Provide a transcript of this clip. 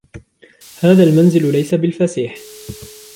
هذا المنزل ليس بالفسيح.